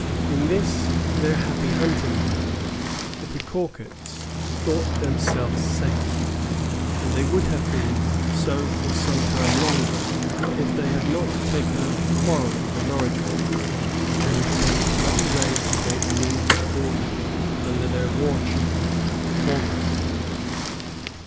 In this, their happy hunting ground, the Pequawkets thought themselves safe; and they would have been so for some time longer if they had not taken up the quarrel of the Norridgewocks and made bloody raids against the English border, under their war chief, Paugus.